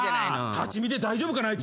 立ち見で大丈夫かなあいつ。